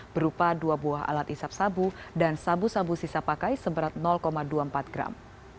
berupa dua buah alat isap sabu dan sabu sabu sisa pakai seberat dua puluh empat gram